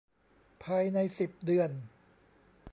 ภายใน สิบ เดือน